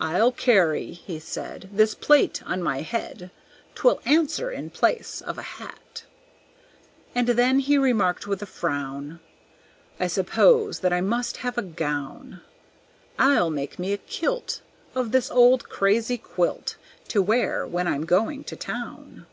"I'll carry," he said, "This plate on my head, 'Twill answer in place of a hat." And then he remarked with a frown, "I suppose that I must have a gown; I'll make me a kilt Of this old crazy quilt, To wear when I'm going to town.